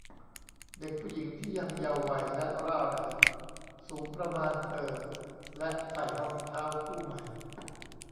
เด็กผู้หญิงที่ยังเยาว์วัยและร่าเริง สูงประมาณเธอ และใส่รองเท้าคู่ใหม่